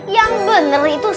yang bener itu